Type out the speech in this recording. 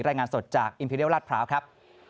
รายงานสดจากอินเทียวรัฐพร้าวครับ